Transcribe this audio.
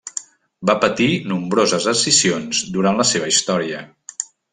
Va patir nombroses escissions durant la seva història.